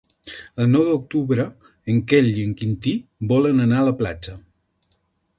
El nou d'octubre en Quel i en Quintí volen anar a la platja.